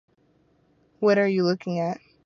What Are You Looking At?